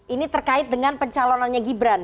ini terkait dengan pencalonannya gibran